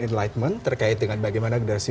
enlightenment terkait dengan bagaimana generasi